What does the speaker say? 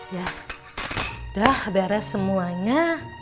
ya udah beres semuanya